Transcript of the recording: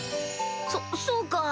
そそうか。